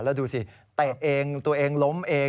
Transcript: แล้วดูสิเตะเองตัวเองล้มเอง